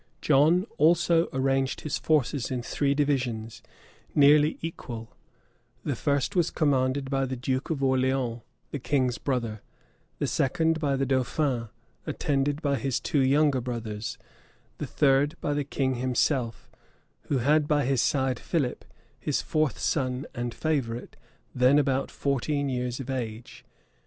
John also arranged his forces in three divisions, nearly equal: the first was commanded by the duke of Orleans, the king's brother; the second by the dauphin, attended by his two younger brothers; the third by the king himself, who had by his side Philip, his fourth son and favorite, then about fourteen years of age.